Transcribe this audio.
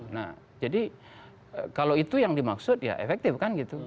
nah jadi kalau itu yang dimaksud ya efektif kan gitu